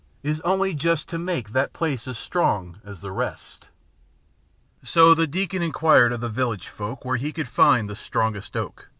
Is only jest T' make that place uz strong uz the rest/' So the deacon inquired of the village folk Where he could find the strongest oak.